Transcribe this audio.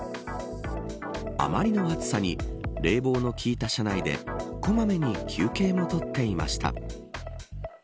あまりの暑さに冷房の効いた車内で小まめに休憩をとっていました。